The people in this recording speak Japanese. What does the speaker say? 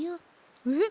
えっ？